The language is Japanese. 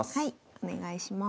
お願いします。